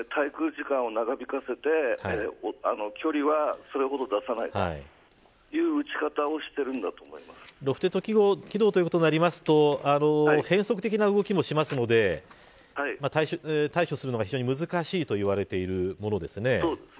角度を高く撃って滞空時間を長引かせて距離は、それほど出さないというロフテッド機動となると変則的な動きもするので対処するのが非常に難しいといわれているものですね。